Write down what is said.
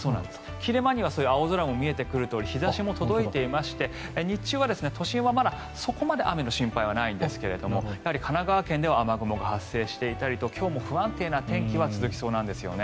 切れ間には青空も見えてくるように日差しも届いていまして日中は都心はそこまで雨の心配はないんですが神奈川県では雨雲が発生していたりと今日も不安定な天気は続きそうなんですよね。